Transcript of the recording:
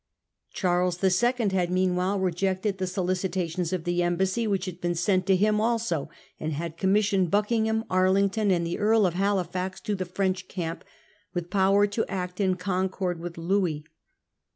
Charles II. had meanwhile rejected the solicitations of the embassy which had been sent to him also, and William'sde commissioned Buckingham, Arlington, termination and the Earl of Halifax to the French camp, theEtogHsh* power to act in concord with Louis.